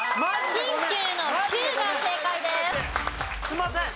すいません！